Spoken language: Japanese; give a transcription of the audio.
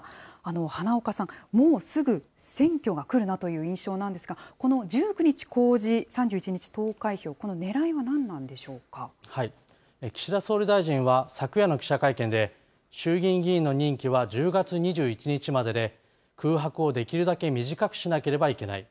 花岡さん、もうすぐ選挙が来るなという印象なんですが、この１９日公示、３１日投開票、岸田総理大臣は、昨夜の記者会見で、衆議院議員の任期は１０月２１日までで、空白をできるだけ短くしなければいけない。